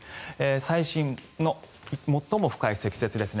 最新の最も深い積雪ですね